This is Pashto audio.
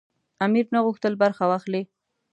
امیر نه غوښتل برخه واخلي.